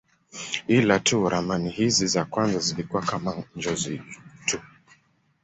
Ila tu ramani hizi za kwanza zilikuwa kama njozi tu.